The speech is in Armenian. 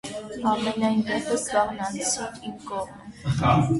Համենայն դեպս, վաղն անցիր իմ կողմը: